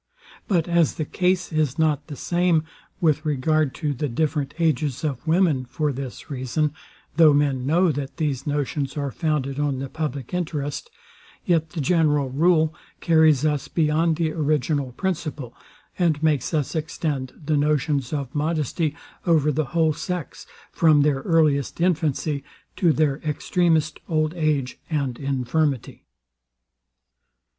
But as the case is not the same with regard to the different ages of women, for this reason, though men know, that these notions are founded on the public interest, yet the general rule carries us beyond the original principle, and makes us extend the notions of modesty over the whole sex, from their earliest infancy to their extremest old age and infirmity.